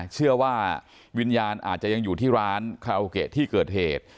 เชื่อว่าวิญญาณอาจจะยังอยู่ที่ร้านที่เกิดเหตุ